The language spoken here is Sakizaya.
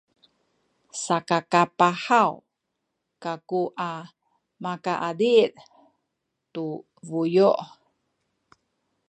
sakakapahaw kaku a makaazih tu bayu’.